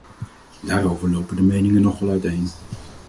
Daarover lopen de meningen nogal uiteen.